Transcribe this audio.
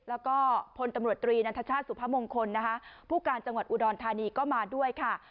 แล้วก็พลตำรวจตรีนันทชาติสุพมงคลนะคะผู้การจังหวัดอุดรธานีก็มาด้วยค่ะ